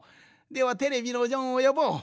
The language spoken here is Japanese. ではテレビのジョンをよぼう。